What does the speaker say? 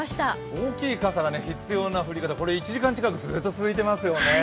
大きい傘が必要な降り方、これ、１時間近く、ずっと続いていますよね。